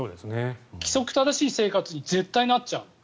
規則正しい生活に絶対なっちゃう。